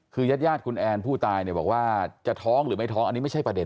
คือญาติคุณแอนผู้ตายเนี่ยบอกว่าจะท้องหรือไม่ท้องอันนี้ไม่ใช่ประเด็น